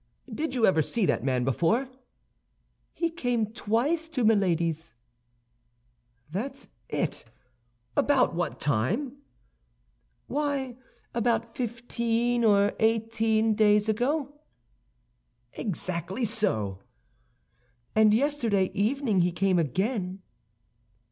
Did you ever see that man before?" "He came twice to Milady's." "That's it. About what time?" "Why, about fifteen or eighteen days ago." "Exactly so." "And yesterday evening he came again."